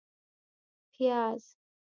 🧅 پیاز